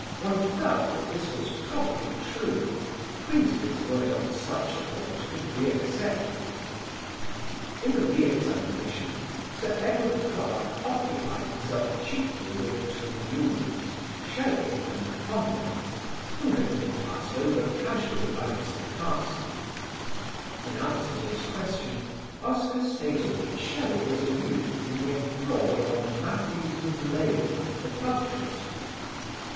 One felt that this was probably true: Queensberry's word on such a point could be accepted. In the re examination Sir Edward Clarke occupied himself chiefly with two youths, Shelley and Conway, who had been passed over casually by Mr. Carson. In answer to his questions Oscar stated that Shelley was a youth in the employ of Mathews and Lane, the publishers.